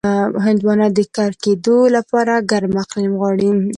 هندوانه د کر کېدو لپاره ګرم اقلیم غواړي.